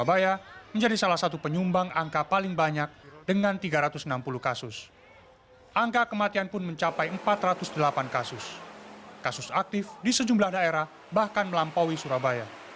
bahkan melampaui surabaya